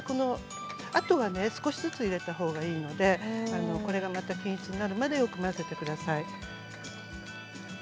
あとは、少しずつ入れたほうがいいのでこれがまた均一になるまでよく混ぜてください。